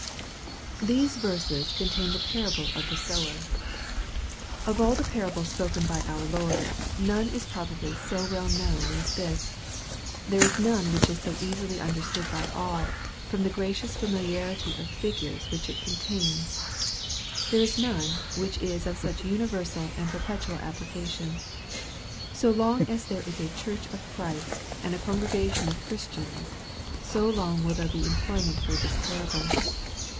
MARK, CHAP. IV. 63 THESE verses contain the parable of the sower. Of all the parables spoken by our Lord, none is probably so well known as this. There is none which is so easily understood by all, from the gracious familiarity of the figures which it contains.* There is none which is of euch universal and perpetual application. So long as there is a Church of Christ and a congregation of Chris tians, so long there will be employment for this parable.